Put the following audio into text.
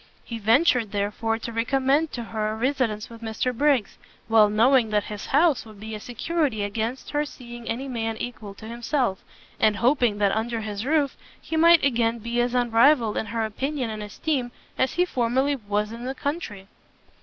He ventured, therefore, to recommend to her a residence with Mr Briggs, well knowing that his house would be a security against her seeing any man equal to himself, and hoping that under his roof he might again be as unrivalled in her opinion and esteem, as he formerly was in the country.